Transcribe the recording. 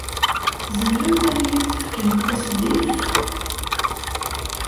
Tzemremt ad iyi-d-tefkemt tasdidt?